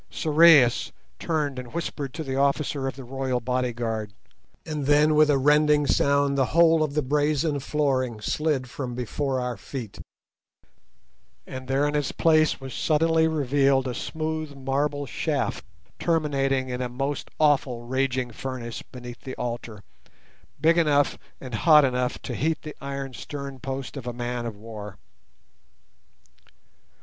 Sorais turned and whispered to the officer of the royal bodyguard, and then with a rending sound the whole of the brazen flooring slid from before our feet, and there in its place was suddenly revealed a smooth marble shaft terminating in a most awful raging furnace beneath the altar, big enough and hot enough to heat the iron stern post of a man of war.